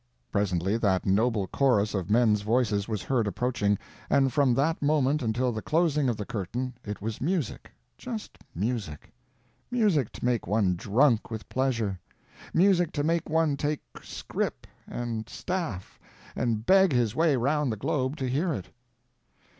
Presently that noble chorus of men's voices was heard approaching, and from that moment until the closing of the curtain it was music, just music—music to make one drunk with pleasure, music to make one take scrip and staff and beg his way round the globe to hear it.